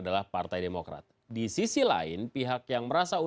kalau itu ada ormas yang selalu